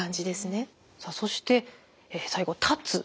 さあそして最後立つ。